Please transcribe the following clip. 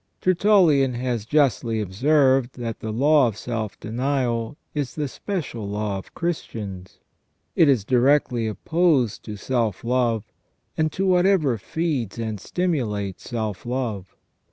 Tertullian has justly observed that the law of self denial is the special law of Christians. It is directly opposed to self love, and to whatever feeds and stimulates self love.